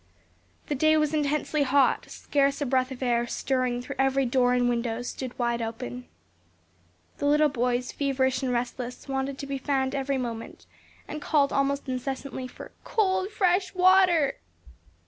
The day was intensely hot, scarce a breath of air stirring though every door and window stood wide open. The little boys feverish and restless, wanted to be fanned every moment, and called almost incessantly for "cold fresh water."